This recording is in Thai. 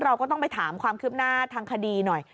เราก็ต้องไปถามความคืบหน้าทางคดีหน่อย